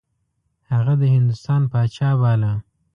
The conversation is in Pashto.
هغه د هندوستان پاچا باله.